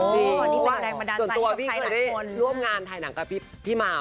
ส่วนตัวพี่เคยได้ร่วมงานถ่ายหนังกับพี่หมาว